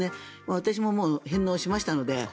私ももう返納しましたので。